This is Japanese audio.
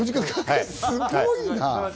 すごいな。